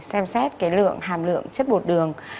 xem xét lượng hàm lượng chất bột đường